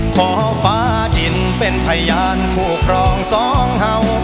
ขอฟ้าดินเป็นพยานคู่ครองสองเห่า